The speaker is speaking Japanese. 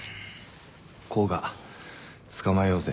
甲賀捕まえようぜ。